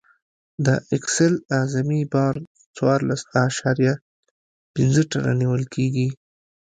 د اکسل اعظمي بار څوارلس اعشاریه پنځه ټنه نیول کیږي